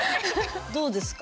どうですか？